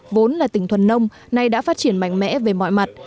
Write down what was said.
vốn là tỉnh thuần nông nay đã phát triển mạnh mẽ về mọi mặt